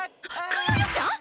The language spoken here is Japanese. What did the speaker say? クヨヨちゃん！？